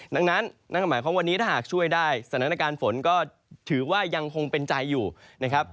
ดังนั้นนั่นก็หมายความว่าวันนี้ถ้าหากช่วยได้สถานการณ์ฝนก็ถือว่ายังคงเป็นใจอยู่นะครับ